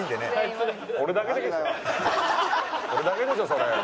俺だけでしょそれ。